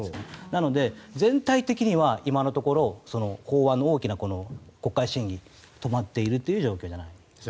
なので全体的には、今のところ法案の大きな国会審議が止まっているという状況なんです。